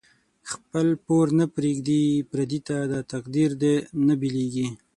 خپل پور نه پریږدی پردی ته، دا تقدیر دۍ نه بیلیږی